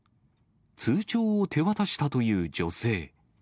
通帳を手渡したという女性。